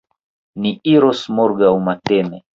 Ni iros morgaŭ matene.